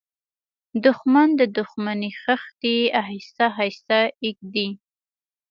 دښمن د دښمنۍ خښتې آهسته آهسته ږدي